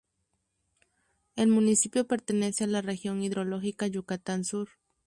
El municipio pertenece a la región hidrológica Yucatán Sur.